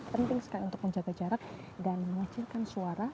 penting sekali untuk menjaga jarak dan mengecilkan suara